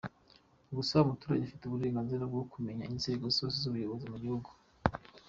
Gusa umuturage afite uburenganzira bwo kumenya inzego zose z’ubuyobozi mu gihugu.